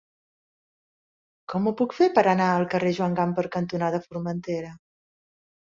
Com ho puc fer per anar al carrer Joan Gamper cantonada Formentera?